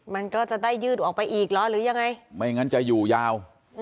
มันก็จะได้ยืดออกไปอีกเหรอหรือยังไงไม่งั้นจะอยู่ยาว